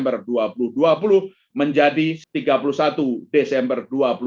ke bulan desember dua ribu dua puluh dua